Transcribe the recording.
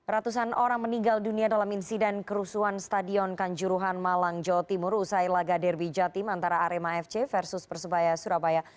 ratusan orang meninggal dunia dalam insiden kerusuhan stadion kanjuruhan malang jawa timur usai laga derby jatim antara arema fc versus persebaya surabaya